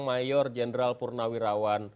mayor jenderal purnawirawan